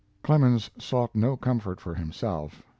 Clemens sought no comfort for himself.